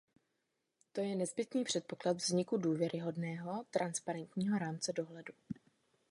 To je nezbytný předpoklad vzniku důvěryhodného, transparentního rámce dohledu.